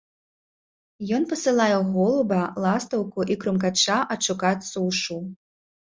Ён пасылае голуба, ластаўку і крумкача адшукаць сушу.